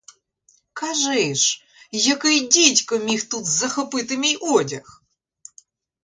Кажи ж, який дідько міг тут захопити мій одяг?!